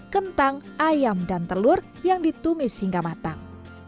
kentang ayam dan telur yang ditumis hingga matang